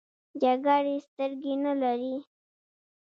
جګړې سترګې نه لري .